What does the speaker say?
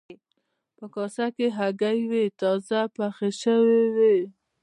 په کاسه کې هګۍ وې تازه پخې شوې وې.